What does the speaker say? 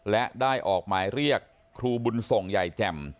และได้ออกหมายเรียกครูบุญส่งใหญ่แจ่ม